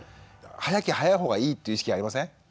早きゃ早い方がいいっていう意識ありません？